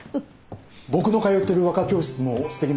僕の通ってる和歌教室もすてきなところだよ。